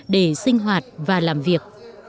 để sinh hoạt và làm việc